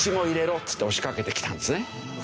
っつって押しかけてきたんですね。